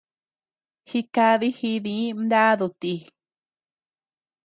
Jikadi jidi mnadu ti.